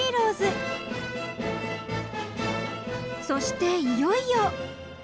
［そしていよいよ］